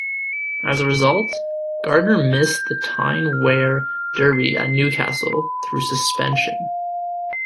As a result, Gardner missed the Tyne-Wear derby at Newcastle through suspension.